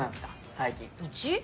最近うち？